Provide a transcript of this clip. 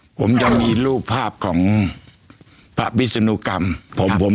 เชื่อว่าทำให้การค้าของเราเนี่ยเจริญรุ่งเรืองอะครับ